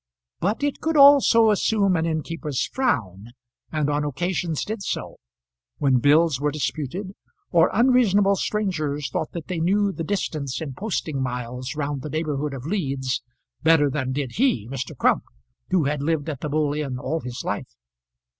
But it could also assume an innkeeper's frown, and on occasions did so when bills were disputed, or unreasonable strangers thought that they knew the distance in posting miles round the neighbourhood of Leeds better than did he, Mr. Crump, who had lived at the Bull Inn all his life.